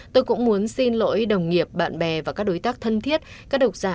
tôi cũng muốn xin lỗi đồng nghiệp bạn bè và các đối tác thân thiết các độc giả